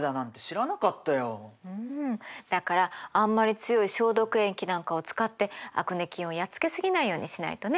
うんだからあんまり強い消毒液なんかを使ってアクネ菌をやっつけ過ぎないようにしないとね。